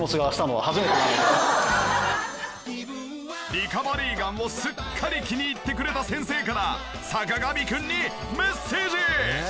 リカバリーガンをすっかり気に入ってくれた先生から坂上くんにメッセージ！